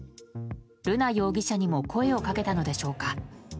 瑠奈容疑者にも声をかけたのでしょうか。